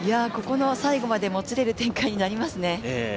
最後までもつれる展開になりますね。